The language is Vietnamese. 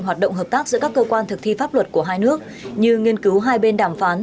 hoạt động hợp tác giữa các cơ quan thực thi pháp luật của hai nước như nghiên cứu hai bên đàm phán